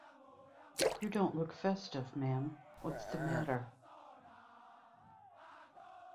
You don't look festive, ma'am; what's the matter?